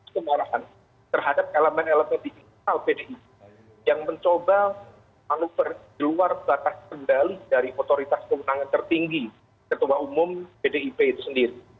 kemarahan terhadap elemen elemen di bdip yang mencoba meluas batas kendali dari otoritas kewenangan tertinggi ketua umum bdip itu sendiri